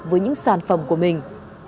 với những sản phẩm của mình